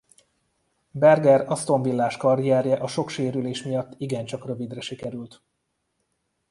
Berger Aston Villás karrierje a sok sérülés miatt igencsak rövidre sikerült.